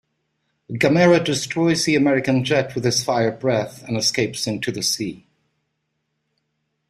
Gamera destroys the American jet with his fire breath and escapes into the sea.